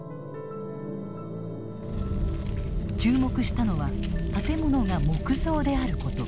注目したのは建物が木造であること。